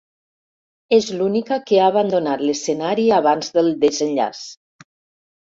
És l'única que ha abandonat l'escenari abans del desenllaç.